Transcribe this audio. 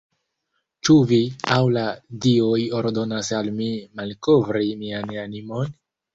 Ĉu vi aŭ la dioj ordonas al mi malkovri mian animon?